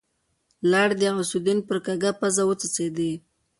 لاړې د غوث الدين پر کږه پزه وڅڅېدې.